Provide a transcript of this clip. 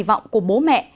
được kỳ vọng của bố mẹ